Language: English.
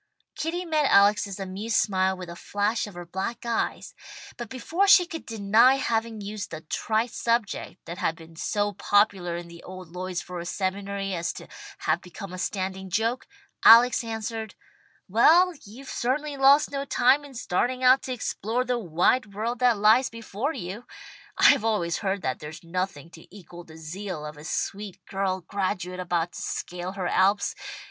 Kitty met Alex's amused smile with a flash of her black eyes, but before she could deny having used the trite subject that had been so popular in the old Lloydsboro seminary as to have become a standing joke, Alex answered, "Well, you've certainly lost no time in starting out to explore the wide world that lies before you. I've always heard that there's nothing to equal the zeal of a sweet girl graduate about to scale her Alps.